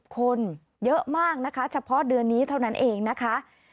คนเยอะมากนะคะเฉพาะเดือนนี้เท่านั้นเองนะคะ